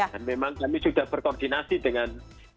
dan memang kami sudah berkoordinasi dengan